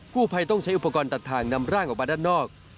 ผู้ภัยต้องใช้อุปกรณ์ตัดทางนำร่างออกมาด้านนอก